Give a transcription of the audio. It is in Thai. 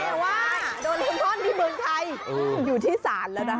แต่ว่าโดมินทอนที่เมืองไทยอยู่ที่ศาลแล้วนะคะ